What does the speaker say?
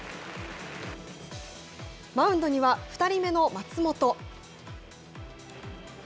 マウンドには、２人目の松本。